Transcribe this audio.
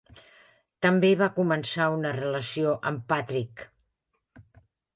També va començar una relació amb Patrick.